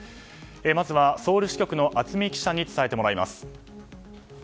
まずはソウル支局の熱海記者に伝えてもらいます。